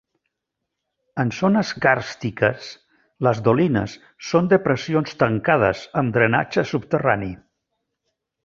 En zones càrstiques, les dolines són depressions tancades amb drenatge subterrani.